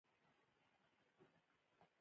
د نظم او قانون له پلوه دواړه غاړې متفاوتې وې.